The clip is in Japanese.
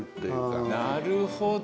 なるほど。